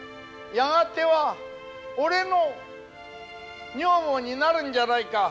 やがては俺の女房になるんじゃないか。